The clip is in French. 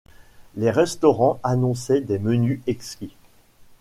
Les restaurants annonçaient des menus exquis.